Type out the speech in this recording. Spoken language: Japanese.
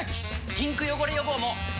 ピンク汚れ予防も！